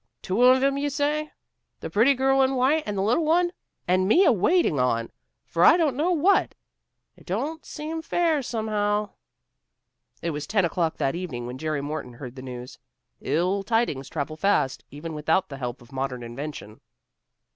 "Two of 'em, you say. The pretty girl in white and the little one. And me a waiting on, for I don't know what. It don't seem fair, somehow." It was ten o'clock that evening when Jerry Morton heard the news. Ill tidings travel fast, even without the help of modern invention.